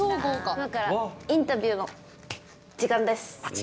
今からインタビューの時間です。